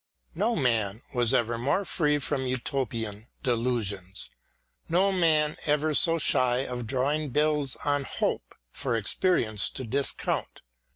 No man was ever more free from Utopian delusions. No man ever so shy of drawing bills on hope for experience to discount.